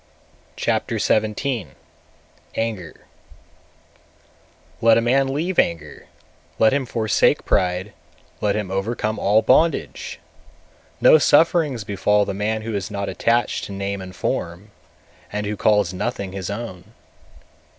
Chapter XVII. Anger 221. Let a man leave anger, let him forsake pride, let him overcome all bondage! No sufferings befall the man who is not attached to name and form, and who calls nothing his own.